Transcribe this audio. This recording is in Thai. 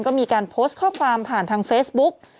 ก็มีการโพสต์ข้อความผ่านทางเฟซบุ๊ก